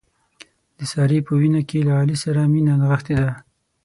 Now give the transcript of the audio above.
د سارې په وینه کې له علي سره مینه نغښتې ده.